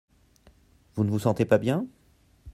Vous ne vous sentez pas bien ?